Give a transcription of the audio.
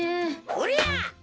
おりゃあ！